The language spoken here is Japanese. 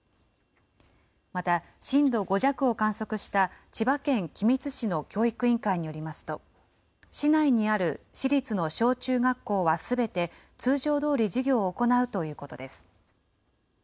また、震度５弱を観測した千葉県君津市の教育委員会によりますと、市内にある市立の小中学校はすべて、通常どおり授業を行うということです。